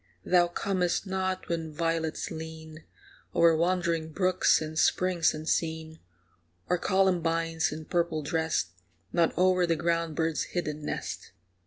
Thou comest not when violets lean O'er wandering brooks and springs unseen, Or columbines, in purple dressed, Nod o'er the ground bird's hidden nest.